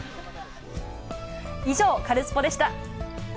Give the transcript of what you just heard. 以上、カルスポっ！でした。